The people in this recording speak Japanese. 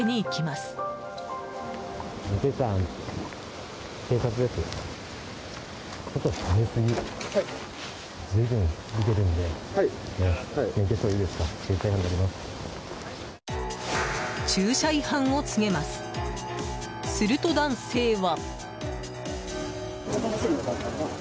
すると男性は。